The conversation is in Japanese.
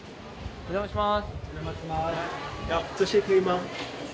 お邪魔します。